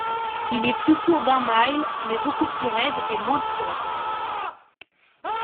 Il est plus court d'un mille, mais beaucoup plus raide et moins pittoresque.